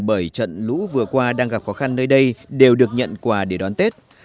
bởi trận lũ vừa qua đang gặp khó khăn nơi đây đều được nhận quà để đón tết